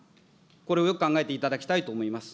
これをよく考えていただきたいと思います。